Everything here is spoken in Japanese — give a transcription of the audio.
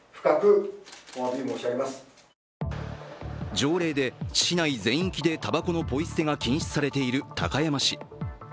条例で市内全域でたばこのポイ捨てが禁止されている高山市。